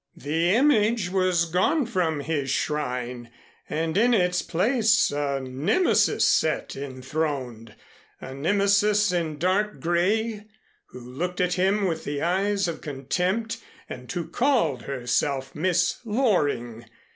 The image was gone from his shrine, and in its place a Nemesis sat enthroned a Nemesis in dark gray who looked at him with the eyes of contempt and who called herself Miss Loring.